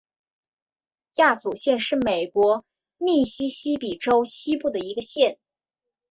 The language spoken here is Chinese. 亚祖县是美国密西西比州西部的一个县。